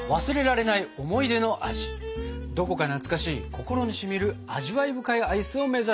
どこか懐かしい心にしみる味わい深いアイスを目指します！